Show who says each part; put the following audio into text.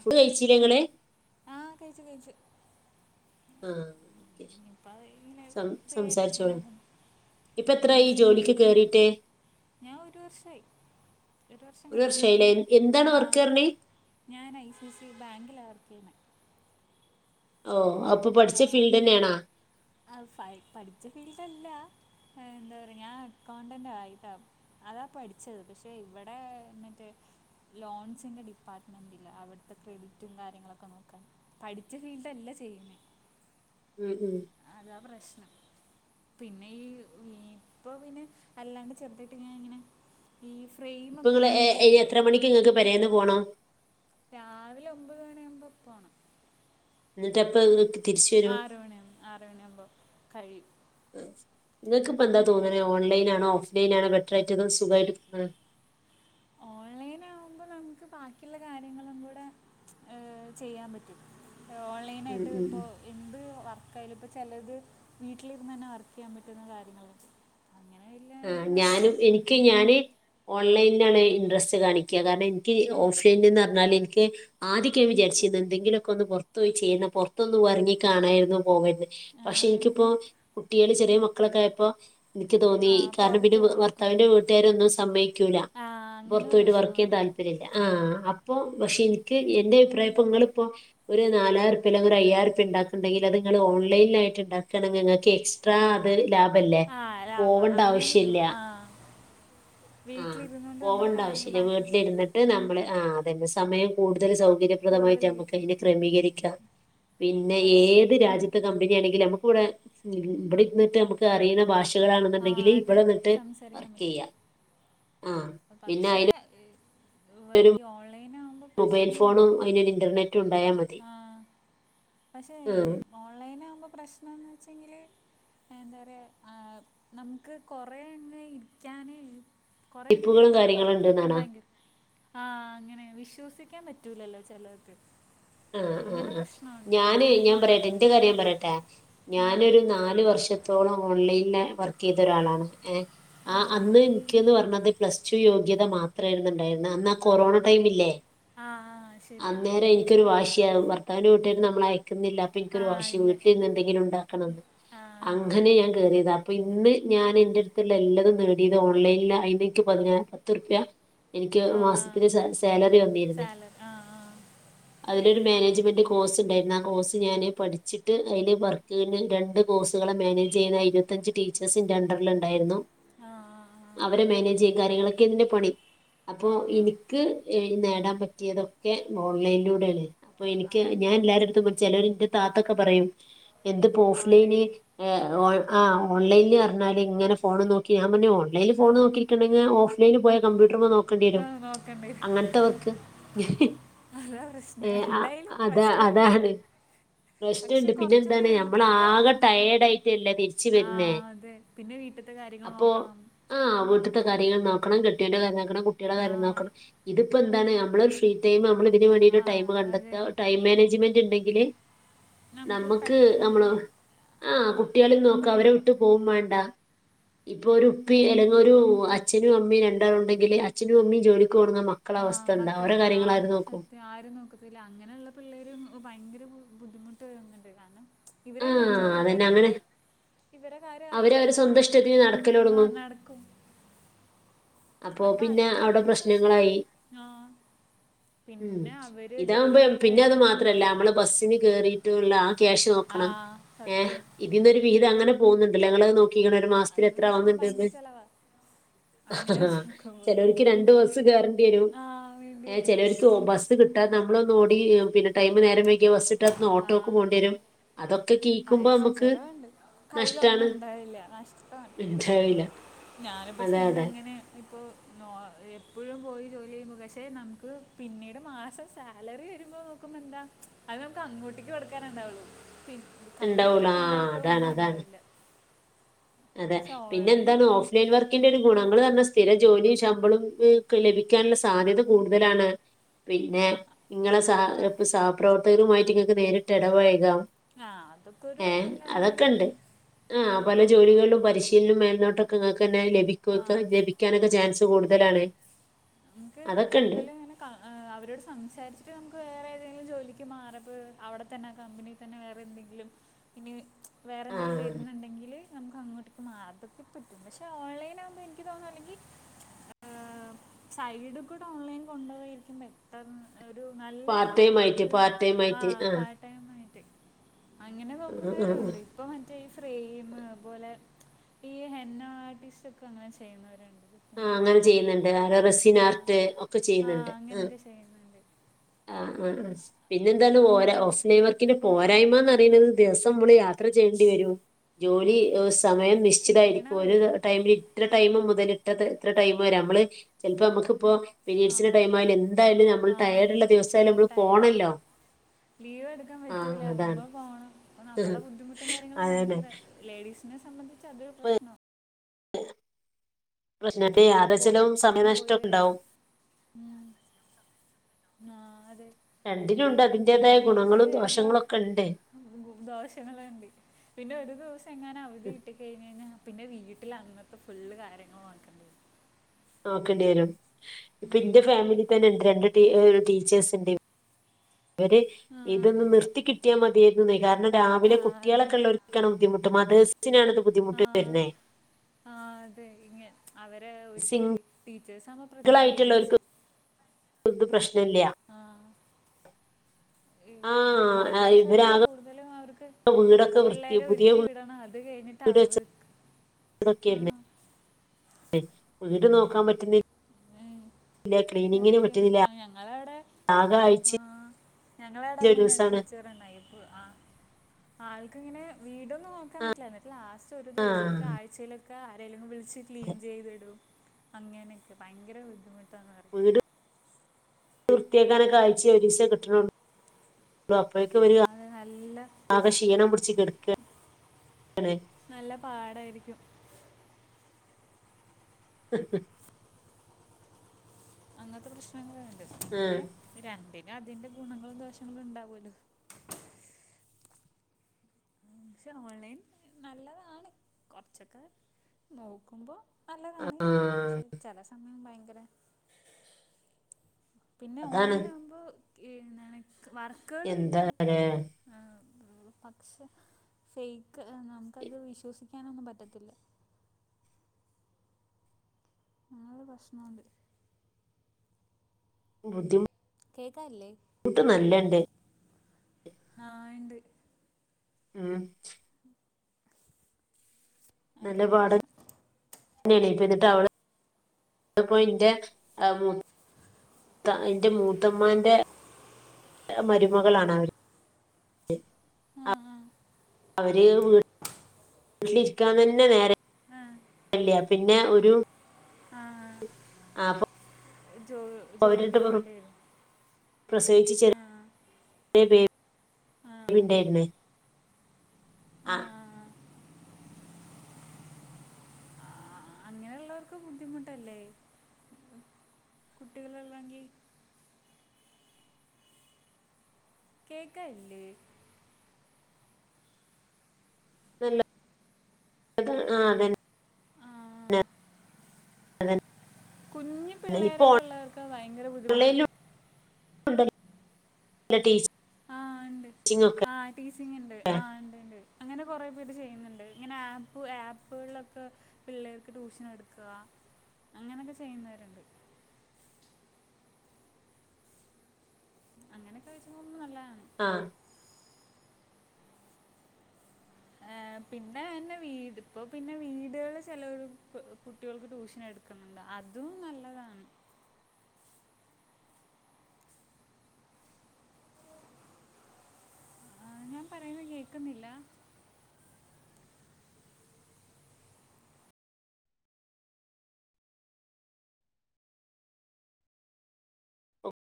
Speaker 1: Food കഴിച്ചിലെ ഇങ്ങള്
Speaker 2: ആഹ് കഴിച്ചു കഴിച്ചു
Speaker 1: ആഹ് ഓക്കെ
Speaker 2: ഇപ്പ അത് ഇങ്ങനെ
Speaker 1: സം
Speaker 2: ഫ്രീ
Speaker 1: സംസാരിച്ചോളി
Speaker 2: ആയിട്ടിരിക്കുന്നത്
Speaker 1: ഇപ്പ എത്രായി ജോലിക്ക്
Speaker 2: ബിസിനസ്സ്
Speaker 1: കേറിട്ട്
Speaker 2: ഞാ ഒരു വർഷായ് ഒരു വർഷം കയ്ഞ്ഞു
Speaker 1: വർഷായില്ലേ എന്താണ് വർക്ക്
Speaker 2: ആഹ്
Speaker 1: പറഞ്ഞേ
Speaker 2: ഞാന് ഐ സി ഐ സി ബാങ്കിലാ വർക്കെയ്യ്ന്നെ
Speaker 1: ഓഹ് അപ്പൊ പഠിച്ച ഫീൽഡെന്നേണാ
Speaker 2: ആഹ് ഫയ് പഠിച്ച ഫീൽഡ് അല്ലാ ഏഹ് എന്താ പറയാ ഞാൻ അക്കൗണ്ടന്റായിട്ടാ അതാ പഠിച്ചത് പക്ഷെ ഇവടേ മെറ്റെ ലോൺസിന്റെ ഡിപ്പാർട്മെന്റ്ന് അവിട്ത്തെ ക്രെഡിറ്റും കാര്യങ്ങളൊക്കെ നോക്കാൻ പഠിച്ച ഫീൽഡല്ല ചെയ്യ്ന്നേ
Speaker 1: ഉം ഉം
Speaker 2: അതാ പ്രശ്നം പിന്നെ ഈ ഇപ്പൊ പിന്നെ അല്ലാണ്ട് ചെർതായ്ട്ട്ങ്ങെനെങ്ങെനെ ഈ ഫ്രെയിം ഒക്കെ ഉണ്ടാക്കി കൊടുക്കല്ലേ
Speaker 1: ക്ക്ങ്ങക്ക് പേരേന്ന് പോണം
Speaker 2: രാവിലെ ഒമ്പത് മണി ആവുബോ പോണം
Speaker 1: എന്നിട്ട് എപ്പൊ [unintelligible]
Speaker 2: ആറ് മണിയാ ആറ് മണിയാവുമ്പം കഴിയും
Speaker 1: ഇങ്ങക്ക്പ്പെന്താ തോന്ന്ണെ ഓൺലൈനാണോ ഓഫ്‌ലൈനാണോ ബെറ്ററായിട്ട് അതും സുഖായിട്ട് താേണെ
Speaker 2: ഓൺലൈന് ആ നക്കുമ്പൾ നമുക്ക് ബാക്കിയുള്ള കാര്യങ്ങളും കൂടെ ചെയ്യാൻ പറ്റും ഓൺലൈൻ
Speaker 1: ഉം
Speaker 2: ആയിട്ട്
Speaker 1: ഉം ഉം
Speaker 2: ഇപ്പോ എന്ത് വർക്കായാലും ഇപ്പോൾ ചിലത് വീട്ടിലിരുന്ന് തന്നെ വർക്ക് ചെയ്യാൻ പറ്റുന്ന കാര്യങ്ങളെ
Speaker 1: ആ ഞാനും എനിക്ക്
Speaker 2: തോന്നിട്ട്
Speaker 1: ഞാന് ഓൺലൈനിലാണ് ഇൻട്രസ്റ്റ് കാണിക്ക കാരണം എനിക്ക് ഓഫ്‌ലൈനെന്ന് പറഞ്ഞാൽ എനിക്ക് ആദ്യം വിചാരിച്ചിന്ന് എന്തെിലൊക്കെ ഒന്ന് പുറത്ത് പോയി ചെയ്യുന്ന പുറത്തൊന്ന് ഇറങ്ങിക്കാണായിരുന്നു പോകരുത് പക്ഷെ എനിക്കിപ്പോ കുട്ടികള് ചെറിയ മക്കളൊക്കെ ആയപ്പോ എനിക്ക് തോന്നി
Speaker 2: ആ
Speaker 1: കാരണം
Speaker 2: പുറത്ത്
Speaker 1: പിന്നെ
Speaker 2: പോകാൻ പറ്റാൻ
Speaker 1: ഭർത്താവിന്റെ വീട്ടുകാരൊന്നും സമ്മക്കൂല്ല
Speaker 2: ആ അങ്ങനെ
Speaker 1: പുറത്ത്
Speaker 2: ഒരു
Speaker 1: പോയിട്ട് വർക്ക് ചെയ്യാൻ
Speaker 2: പ്രശ്നമുണ്ട്
Speaker 1: തല്പര്യം ആഹ് അപ്പൊ പക്ഷെ എനിക്ക് എന്റെ അഭിപ്രായം ഇപ്പൊ നിങ്ങളിപ്പോ ഒരു നാലായിറുപി അല്ലെങ്കി ഒരു അയായിരം രുപ ഉണ്ടാക്കണ്ടെങ്കി അത് നിങ്ങള് ഓൺലൈനായിട് ഉണ്ടാക്കുകണെങ്കി നിങ്ങക്ക് എക്സ് അതൊരു ലാഭല്ലേ പോ
Speaker 2: അങ്ങനെയ ആ
Speaker 1: ആഹ്
Speaker 2: വീട്ടിലിരുന്ന കൊണ്ട് നമ്മുടെ
Speaker 1: പോവണ്ട
Speaker 2: കാര്യങ്ങ
Speaker 1: ആവശ്യല്ല
Speaker 2: ബാക്കി
Speaker 1: വീട്ടിലിരുന്നിട്ട് നമ്മള് ആ അതന്നെ സമയം കൂടുതൽ സൗ ധൈര്യപ്രദമായിട്ട്
Speaker 2: കൂടുതൽ
Speaker 1: നമുക്ക്
Speaker 2: കിട്ടും
Speaker 1: അതിനെ ക്രമീകരിക്കാം പിന്നെ
Speaker 2: പക്ഷെ
Speaker 1: ഏത് രാജ്യ [unintelligible] കമ്പനിയാണെങ്കിൽ നമുക്ക് ഇവിടെ ഉം ഇവിടെര്ന്നിട്ട് നമ്മക്ക് അറിയുന്ന ഭാഷ
Speaker 2: ആ
Speaker 1: കളാണ്ന്ന്ണ്ടെങ്കില്
Speaker 2: അതെ
Speaker 1: ഇവിടെ നിന്നിട്ട്
Speaker 2: സംസാരിക്കാൻ
Speaker 1: വർക്ക്
Speaker 2: പറ്റും
Speaker 1: ചെയ്യാ
Speaker 2: പക്ഷേ ഈ വയ് ഈ ഓൺലൈൻ ആവുമ്പോ പ്രശ്നണ്ട്
Speaker 1: അയ്‌ന് ഒരുഇന്റർനെറ്റും ഉണ്ടായാ മതി
Speaker 2: ആഹ് പക്ഷേ
Speaker 1: ആഹ്
Speaker 2: ഓൺലൈൻ ആകുമ്പോ പ്രശ്നന്ന് വെച്ചെങ്കില് എന്താ പറയ ആഹ് നമുക്ക് കൊറേ ഇങ്ങ് ഇരിക്കാനേയ് കൊറെ ഇങ്ങനെ
Speaker 1: ടിപ്പുകളും
Speaker 2: ഈ
Speaker 1: കാര്യങ്ങളും
Speaker 2: വർക്ക് കിട്ടാൻ
Speaker 1: ഉണ്ട്ന്നാണോ
Speaker 2: ഭയങ്കര ആഹ് അങ്ങനെ വിശ്വസിക്കാൻ പറ്റൂലല്ലോ ചെലർത്
Speaker 1: ആഹ് ആഹ് ആഹ് ഞാന് ഞാൻ പറയട്ടെ എന്റെ കാര്യം ഞാൻ പറയട്ടെ
Speaker 2: ആ
Speaker 1: ഞാനൊരു നാല് വർഷ ത്തോളം ഓൺലൈനില് വർക്ക് ചെയ്ത ഒരാളാണ് ഏഹ്
Speaker 2: ആ
Speaker 1: ആഹ് അന്ന് ഇൻക്കന്ന് പർഞ്ഞത് പ്ലസ് ടു യോഗ്യത മാത്രായിരുന്നുണ്ടായിരുന്ന അന്നാ കൊറോണ ടൈമ് ഇല്ലേ
Speaker 2: ആഹ് ആഹ് ശരിയാണ്
Speaker 1: ക്കൊരു വാശിയാവും ഭർത്താവിൻ്റെ വീട്ടകാര് നമ്മള അയക്കുന്നില്ല
Speaker 2: ആ
Speaker 1: പ്പിൻക്കൊരു വാശി.
Speaker 2: ഇല്ലേ
Speaker 1: വീട്ടിൽ ര്ന്ന് എന്തെങ്കിലും ണ്ടാക്കണംന്ന്.
Speaker 2: ആ
Speaker 1: അങ്ങനെ ഞാൻ കേറിയതാ. പിന്ന് ഞാന് ൻ്റെ എട്ത്ത്ള്ളെ എല്ലതും നേടിയത്. ഓൺലൈനിൽ ലെ അയിൻ്റേക്ക് പതിനാ പത്തുർപ്യ എനിക്ക് ഒ മാസ്ത്തിന് സാ സേലറി വന്നീര്ന്ന്.
Speaker 2: ആഹ് ആഹ്
Speaker 1: അതിലൊരു മാനേജ്മെന്റ് കോഴ്സ് ഉണ്ടായിരുന്നു ആ കോഴ്സ് ഞാന് പഠിച്ചിട്ട് അയ്ന് വർക്ക്ന് രണ്ട് കോഴ്സുകളെ മാനേജ് ചെയ്യുന്ന ഇരുപത്തഞ്ച് ടീച്ചേഴ്സ് ഇന്റെ അണ്ടർ ല്ണ്ടായിരുന്നു
Speaker 2: ആഹ്
Speaker 1: അവരെ മാനേജയ്യ് കാര്യങ്ങളൊക്കെയാ ഇതിന്റെ പണി അപ്പൊ
Speaker 2: ആ ആ
Speaker 1: ഇനി ക്ക് നേടാൻ പറ്റിയതൊക്കെ ഓൺലൈനിലൂടെയാണ് അപ്പോ
Speaker 2: ആ
Speaker 1: എനിക്ക് ഞാൻ എല്ലാരട്ത്തും ചെലോരെ ൻ്റെതാത്തൊക്കെ പറയും. എന്ത് പോസ്
Speaker 2: ആ
Speaker 1: ലൈനീ.
Speaker 2: ഓൺലൈന്
Speaker 1: ഏഹ്
Speaker 2: ആ
Speaker 1: ഓൾ ആഹ്. ഓ ഓൺലൈല് അർഞ്ഞാലി ങ്ങനെ ഫോണും നോക്കി. ഞാ പർഞ്ഞ് ഓൺലൈല്
Speaker 2: ആ
Speaker 1: ഫോണ് നോക്കിയിരിക്കണ്ടെങ്കി ഓഫ് ലൈൻല് പോയ കമ്പ്യൂട്ടർമ്മ നോ
Speaker 2: ആ,
Speaker 1: ക്കണ്ടിരും.
Speaker 2: നോക്കണ്ടേ
Speaker 1: അങ്ങൻത്ത വക്ക്.
Speaker 2: അതാ പ്രശ്നം.. എന്തായ്ലും പ്രശ്നോണ്ട്.
Speaker 1: അതാണ്
Speaker 2: പക്ഷെ
Speaker 1: റെസ്റ്റ്ണ്ട് പിന്നെ
Speaker 2: കൊർച്ചും കൂടെ
Speaker 1: എന്താണ് നമ്മൾ
Speaker 2: എള്പ്പം
Speaker 1: ആകെ
Speaker 2: ആണെന്ന് തോന്നും.
Speaker 1: ടയേർഡ് ആയിട്ടല്ലേ തിരിച്ച് വരുന്നേ
Speaker 2: ആഹ് അതെ. പിന്നെ വീട്ട്ത്തെ കാര്യങ്ങൾ
Speaker 1: അപ്പൊ
Speaker 2: നോക്കണം.
Speaker 1: ആഹ്. വീട്ട്ത്തെ കാര്യങ്ങൾ നോക്കണം. കെട്ടിയോൻ്റെ കാര്യം നോക്കണം. കുട്ടികളെ
Speaker 2: ആ
Speaker 1: കാര്യം നോക്കണം. ഇത്പ്പൊന്താണ്. അമ്മളെ ഫ്രീ ടൈം അമ്മള് ഇതിന്
Speaker 2: ആ
Speaker 1: വേണ്ടീട്ട് ടൈം
Speaker 2: അതെ
Speaker 1: കണ്ടെത്താ. ടൈം മാനേജ്മെന്റ് ഇണ്ടെങ്കില്
Speaker 2: നമുക്ക്
Speaker 1: നമ്മ്ക്ക്
Speaker 2: പറ്റ്
Speaker 1: നമ്മള് ആഹ്.
Speaker 2: അത്
Speaker 1: കുട്ടികളിം നോക്കാ. അവരെ
Speaker 2: എളുപ്പമായിരിക്കും
Speaker 1: വിട്ട് പോവും മാണ്ടാ ഇപ്പൊ ഒരു ഉപ്പി അല്ലെങ്കി ഒരു അച്ഛനും അമ്മിം രണ്ടാള് ഉണ്ടെങ്കില് അച്ഛനും അമ്മിം ജോലിക്ക് പോണുന്ന മ
Speaker 2: ആഹ് മക്കള് ആഹ് നാരും നോക്കത്തില്ല അങ്ങനെള്ള പിള്ളേര് ഭയങ്കര ബുദ്ധിമുട്ട് വരുന്ന്ണ്ട് കാരണം ഇവര് രണ്ടേരും
Speaker 1: ആഹ് അതന്നെ അങ്ങനെ
Speaker 2: ജോലിക്കോയിക്കെയ്‌നേ ഇവരെ കാര്യം ആര്
Speaker 1: അവര് അവരെ
Speaker 2: നോക്കും
Speaker 1: സ്വന്തം ഇഷ്ടത്തിന്
Speaker 2: ആഹ്
Speaker 1: നടക്കലൊടങ്ങും
Speaker 2: നടക്കും
Speaker 1: അപ്പൊ
Speaker 2: അപ്പം
Speaker 1: പിന്നെ അവടെ
Speaker 2: അതിൻ്റെ പ്രശ്നം
Speaker 1: പ്രശ്നങ്ങളായി
Speaker 2: ആ പിന്നെ അവര് ജോലി
Speaker 1: ഇതാകുമ്പ
Speaker 2: കഴിഞ്ഞ്
Speaker 1: പിന്നെ അത്
Speaker 2: വരുമ്പോൾ
Speaker 1: മാത്രല്ല നമ്മള് ബസ് കേറീട്ട് ആ ക്യാഷ്
Speaker 2: ആ
Speaker 1: നോക്കണം
Speaker 2: സത്യം
Speaker 1: ഇതിന്ന ഒരു വിഹിതം അങ്ങനെ പോകുന്നുണ്ടല്ലോ ഞ [unintelligible] ഒരു മാസത്തിൽ
Speaker 2: അത്
Speaker 1: എത്ര
Speaker 2: വെച്ച് നോക്കുമ്പോൾ
Speaker 1: ആവുന്നുണ്ട് ന്ന്
Speaker 2: ഭയങ്കര ചിലവാണ് അങ്ങനെ
Speaker 1: ആഹ്
Speaker 2: വെച്ച് നോക്കുമ്പോൾ
Speaker 1: ചെലോര്ക്ക് രണ്ട് ബസ് കേറണ്ടി വരും
Speaker 2: ആ വേണ്ടി
Speaker 1: ഏ
Speaker 2: വരും
Speaker 1: ചെലോ ബസ് കിട്ടാ നമ്മളൊന്ന് ഓടി ഈ പിന്നെ ടൈമ് നേരം വഴ്കിയാ ബസ്ട്ടാതിന്ന ഓട്ടോക്ക്
Speaker 2: ആ
Speaker 1: പോണ്ടരും.
Speaker 2: പൈസ ചെലവ്ണ്ട് കയ്യിലൊന്നും
Speaker 1: നഷ്ടാണ്
Speaker 2: ഉണ്ടായില്ല നഷ്ടാണ്
Speaker 1: ഉണ്ടാവില്ല
Speaker 2: ഞാനിപ്പ
Speaker 1: അതെ അതെ
Speaker 2: ചെയ്യ്ണങ്ങനെ ഇപ്പൊ നോ എപ്പഴും പോയി ജോലി ചെയ്യുമ്പോ പക്ഷേ നമുക്ക് പിന്നീട് മാസം സാലറി വരുമ്പോൾ നോക്കുമ്പോൾ എന്താ അത് നമുക്ക് അങ്ങോട്ടേക്ക് കൊടുക്കാന ഉണ്ടാവുള്ളു പി കൈ
Speaker 1: ഉണ്ടാവുള്ളൂ ആ
Speaker 2: വെക്കാനായിട്ട്
Speaker 1: അതാണ്
Speaker 2: ഒന്നു
Speaker 1: അതാണ്
Speaker 2: ഉണ്ടാവില്ല
Speaker 1: അതെ
Speaker 2: പക്ഷെ
Speaker 1: പിന്നെ എന്താണ്
Speaker 2: ഓൺലൈനാകുമ്പോൾ
Speaker 1: ഓഫ്ലൈൻ വർ ൻ്റെ ഒരു ഗുണങ്ങൾ എന്നുപറഞ്ഞാൽ സ്ഥിര ജോലി ശമ്പളം ഒക്കെ ലഭിക്കാനുള്ള സാധ്യത കൂടുതലാണ്. പിന്നെ ഇങ്ങളെ സാ
Speaker 2: ആ
Speaker 1: സഹപ്രവർത്തകരുമായിട്ട് ഇങ്ങക്ക് നേരിട്ട് എടപഴകാം.
Speaker 2: ആ അതൊക്കെ ഒരു
Speaker 1: ഏ
Speaker 2: നല്ലതാണ്
Speaker 1: അതൊക്കെണ്ട്. ആഹ് പല ജോലികളിലും പരിശീലനം മേൽനോട്ടൊക്കെ ഇങ്ങക്കെന്നെ
Speaker 2: ആ
Speaker 1: ലഭിക്കോത്രേ ലഭി ക്കാനൊക്കെ ചാൻസ് കൂടുതലാണ്
Speaker 2: നിങ്ങക്ക്
Speaker 1: അതൊക്കെ ഉണ്ട്
Speaker 2: കൂടുതലങ്ങനെ ക്ക അവരോട് സംസാരിച്ചിട്ട് നമുക്ക് വേറെ ഏതെങ്കിലും ജോലിക്ക് മാറുമ്പൾ അവിടെത്തന്നെ ആ കമ്പനി തന്നെ വേറെ എന്തെങ്കിലും ഇനി വേറെ
Speaker 1: ആ
Speaker 2: എന്തെങ്കിലും വരുന്നുണ്ടെങ്കില് നമുക്ക് അങ്ങോട്ടേക്ക് മാർ അതൊക്കെ പറ്റും പക്ഷേ ഓൺലൈൻ ആകുമ്പോ എനിക്ക് തോന്നുന്നു അല്ലെങ്കി ആഹ് സൈഡ് കൂടെ ഓൺലൈൻ കൊണ്ടോയിരിക്കുന്നെ ഒരു നല്ലൊരു
Speaker 1: പാർട്ട് ടൈം ആയിട്ട്
Speaker 2: ഇത്
Speaker 1: പാർട്ട് ടൈം
Speaker 2: ആ
Speaker 1: ആയിട്ട്
Speaker 2: പാർട്ട് ടൈം ആയിട്ടേ അങ്ങനെ
Speaker 1: ആ ആ
Speaker 2: നോക്കുന്നവരും ഉണ്ട് ഇപ്പൊ മറ്റേ ഈ ഫ്രെയിം അത്പോലെ ഈ ഹെന്ന ആർട്ടിസ്റ്റ് ഒക്കെ അങ്ങനെ ചെയ്യുന്നവരുണ്ട്
Speaker 1: ആഹ്
Speaker 2: പിന്നെ
Speaker 1: അങ്ങനെ ചെയ്യുന്നുണ്ട് ആരോ
Speaker 2: ആ
Speaker 1: റെസിനാർട്ട് ഒക്കെ
Speaker 2: ആ
Speaker 1: ചെയ്യുന്നുണ്ട് ആഹ്
Speaker 2: അങ്ങനൊക്കെ ചെയ്യുന്നുണ്ട്
Speaker 1: ആഹ് ആഹ് ആഹ് പിന്നെന്താണ് ഓര് ഓഫ് ലൈൻ വർക്കിന്റെ പോരായ്മയെന്നുറയണത് ദിവസം മ്മള് യാത്ര ചെയ്യേണ്ടി വരും
Speaker 2: ആ
Speaker 1: ജോലി സമയം നിശ്ചിതായിരിക്കും.
Speaker 2: ക്ഷീണം
Speaker 1: ഒരു
Speaker 2: വരും
Speaker 1: ടൈമില് ഇത്ര ടൈമ് മുതല് എത്ര ഇത്ര ടൈം വരെ നമ്മള് ചിലപ്പോ നമ്മുക്കിപ്പോ
Speaker 2: ആ
Speaker 1: പിരീയഡ്സിന്റെ ടൈം ആയാലും എന്തായാലും
Speaker 2: ആ
Speaker 1: നമ്മള് ടയേഡുള്ള ദിവസായാലും
Speaker 2: സത്യം
Speaker 1: നമ്മള്
Speaker 2: ടയേർഡാകും
Speaker 1: പോണല്ലോ
Speaker 2: ലീവ് എടുക്കാൻ
Speaker 1: ആഹ്
Speaker 2: പറ്റൂല
Speaker 1: അതാണ്
Speaker 2: നമ്മള് പോകണം അപ്പം നമ്മടെ ബുദ്ധിമുട്ടും കാര്യങ്ങളും
Speaker 1: അതന്നെ
Speaker 2: ഭയങ്കര ലേഡീസിനെ സംബന്ധിച്ച് അതൊരു പ്രശ്ന
Speaker 1: പ്രശ്നല്ലേ യാത്രാ ചിലവും.
Speaker 2: അങ്ങ് പോയി വരാ ഉംഹ് ആഹ് അതെ
Speaker 1: രണ്ടിനും ഉണ്ട്
Speaker 2: ഇത്
Speaker 1: അതിന്റേതായ ഗുണങ്ങളും ദോഷങ്ങളും ഒക്കെയുണ്ട്
Speaker 2: ദോശങ്ങള്ണ്ട് പിന്നെ ഒരു ദിവസം എങ്ങാനും അവധി കിട്ടിക്കഴിഞ്ഞഴ്ഞ്ഞ പിന്നെ വീട്ടിൽ അങ്ങൻത്തെ ഫുള്ള് കാര്യങ്ങൾ നോക്കേണ്ടി വരും.
Speaker 1: നോക്കേണ്ടി വരും ഇപ്പൊ ഇന്റെ
Speaker 2: ഉം.
Speaker 1: ഫാമിലി തന്നെ ഉണ്ട് രണ്ട് ടീച്ചേഴ്സ്ണ്ട്‌ അവര്
Speaker 2: ആ ആ
Speaker 1: ഇതൊന്ന്
Speaker 2: ആ
Speaker 1: നിർത്തി കിട്ടിയാൽ മതിയായിരുന്നുന്നായി കാരണം
Speaker 2: ആ,
Speaker 1: രാവിലെ
Speaker 2: അത്
Speaker 1: കുട്ടികളൊക്കെ ഉള്ളോ ക്കാണ് ബുദ്ധിമുട്ട് മതേഴ്സി
Speaker 2: ആഹ് ആഹ് അതെ ഇങ്ങെ അവരെ ഒരിക്കി
Speaker 1: സിംഗിൾ
Speaker 2: ടീച്ചേഴ്സ് ആവുമ്പോ
Speaker 1: ആയിട്ടുള്ളവർക്ക്
Speaker 2: പ്രത്യേകിച്ച്
Speaker 1: ഇത് പ്രശ്നം ഇല്ല്യ
Speaker 2: ആഹ് ഉം
Speaker 1: ആ
Speaker 2: മതേർസാകുമ്പോ
Speaker 1: ഇവരാകെ
Speaker 2: കൂടുതലും അവർക്ക്
Speaker 1: വീടൊക്കെ വൃത്തി
Speaker 2: പിള്ളേരെ
Speaker 1: പുതിയ
Speaker 2: ഒരുക്കി വിടണം. അത് കഴിഞ്ഞിട്ട് അവർ
Speaker 1: ഇതൊക്കെയല്ലെ വീട് നോക്കാൻ പറ്റുന്നി
Speaker 2: ഏയ് സത്യം
Speaker 1: പറ്റുന്നില്ല
Speaker 2: അല്ല ഞങ്ങളവിടെ
Speaker 1: ആകെ ആഴ്ചയിൽ
Speaker 2: ആഹ് ഞങ്ങളവിടെ
Speaker 1: ഒരു
Speaker 2: മുന്നേ
Speaker 1: ദിവസമാണ്
Speaker 2: ടീച്ചർണ്ടായി ഇപ്പോ ആ ആൾക്ക്ങ്ങനെ വീടും നോക്കാൻ പറ്റില്ല. എന്നിട്ട് ലാസ്റ്റ് ഒരു
Speaker 1: ആ
Speaker 2: ദിവസൊക്കെ ആഴ്ചയിലൊക്കെ ആരേലും വിളിച്ച് ക്ലീൻ ചെയ്ത്ടും. അങ്ങനെയൊക്കെ ഭയങ്കര ബുദ്ധിമുട്ടാന്ന് പറ
Speaker 1: വിട് വൃത്തിയാക്കാനൊക്കെ ആഴ്ചേ ഒരൂസേ കിട്ടണുള്ളു ള്ളു അപ്പഴേക്കു
Speaker 2: ആ,
Speaker 1: വരു
Speaker 2: അത് നല്ല
Speaker 1: ആകെ ക്ഷീണം പിടിച്ച് കെടക്കാണ്
Speaker 2: നല്ല പാടായിരിക്കും.
Speaker 1: [unintelligible]
Speaker 2: അങ്ങൻത്തെ പ്രശ്ന
Speaker 1: മ്ഹ്
Speaker 2: രണ്ടിനും അതിന്റെ ഗുണങ്ങളും ദോഷങ്ങളും ഉണ്ടാവൂല്ലോ പക്ഷെ ഓൺലൈൻ നല്ലതാണ് കൊറച്ചൊക്കെ നോക്കുമ്പോ നല്ലതാണ്
Speaker 1: ആ
Speaker 2: പക്ഷെ ചെല സമയം ഭയങ്കര പിന്നെ
Speaker 1: അതാണ്
Speaker 2: ഓൺലൈൻ ആകുമ്പോ എന്നാ വർക്കാള്
Speaker 1: എന്താ
Speaker 2: കിട്ടും. ആഹ് പക്ഷെ ഫെയ്ക്ക് നമുക്കത് വിശ്വസിക്കാനൊന്നും പറ്റത്തില്ല. അങ്ങനൊരു പ്രശ്നൊണ്ട്.
Speaker 1: ബുദ്ധിമു
Speaker 2: കേക്കാല്ലേ ആയിണ്ട്.
Speaker 1: മ്ഹ്.
Speaker 2: അതാണ് പ്രശ്നം.
Speaker 1: അല്ല ന്നിട്ട് അവള് ഇപ്പൊ ഇന്റെ ആഹ് മൂത്താ. [inaudible] എന്റെ മൂത്തമാന്റെ മരുമകളാണ് അവര്.
Speaker 2: ആ
Speaker 1: അവര് വീട്ടിലിരിക്കാനന്നെ
Speaker 2: ആ
Speaker 1: നേരല്യ പിന്നെ ഒരു.
Speaker 2: ആഹ്.
Speaker 1: ആപ്പൊ.
Speaker 2: ജോ. ജോലിക്ക്
Speaker 1: ഓരോരത്ത് പ്പോ
Speaker 2: പോകേണ്ടി വരും
Speaker 1: പ്രസവിയിച്ച് ചെറിയ
Speaker 2: ആ
Speaker 1: ബേബി. അത് പിന്നായിരുന്ന്. [unintelligible]
Speaker 2: ആഹ്. അങ്ങനെള്ളോർക്ക് ബുദ്ധിമുട്ടല്ലേ.. കുട്ടികളളൊള്ളങ്കി കേക്കല്യേ.
Speaker 1: നല്ല ആ അതന്നെ
Speaker 2: ആ,
Speaker 1: നെ [inaudible] അതന്നെ. ഇപ്പൊ
Speaker 2: കുഞ്ഞിപിള്ളേരൊക്കെ ഇള്ളവർക്ക ഭയങ്കര ബുദ്ധിമുട്ട്.
Speaker 1: ഓൺലൈനിലും ല ടീച്ച.
Speaker 2: ആഹ് ണ്ട് ആഹ്. ടീച്ചിങ് ഇണ്ട്. ആ ഇണ്ട് ഇണ്ട് അങ്ങനെ കൊറെ പേര് ചെയ്യുന്നുണ്ട്. ഇങ്ങനെ ആപ്പ് ആപ്പ്കൾലൊക്കെ. പിള്ളേർക്ക് ട്യൂഷൻ എടുക്കാ.. അങ്ങനൊക്കെ ചെയ്യുന്നോര്ണ്ട്. അങ്ങനെയൊക്കെ വെച്ച് നോക്കുമ്പോ നല്ലാണ്.
Speaker 1: ആഹ്.
Speaker 2: ഏഹ് പിന്നെന്നെ വീട് ഇപ്പൊ പിന്നെ വീടുകളില് ചെലൊര് കു കുട്ട്യേള്ക്ക് ട്യൂഷൻ എടു. ക്കുന്നുണ്ട് അതും നല്ലതാണ്. ആ ഞാൻ പറയന്ന കേക്കുന്നില്ല.
Speaker 1: ആ